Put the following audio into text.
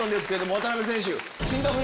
渡辺選手。